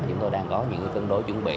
chúng tôi đang có những cân đối chuẩn bị